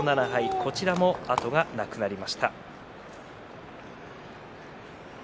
こちらも後がなくなりました。